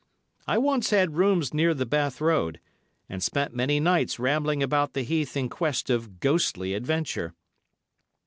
I once had rooms near the Bath Road, and spent many nights rambling about the Heath in quest of ghostly adventure.